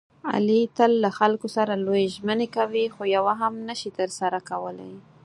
علي تل له خلکو سره لویې ژمنې کوي، خویوه هم نشي ترسره کولی.